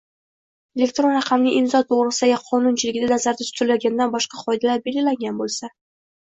elektron raqamli imzo to‘g‘risidagi qonunchiligida nazarda tutilganidan boshqacha qoidalar belgilangan bo‘lsa